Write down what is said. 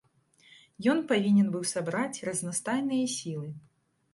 Ён павінен быў сабраць разнастайныя сілы.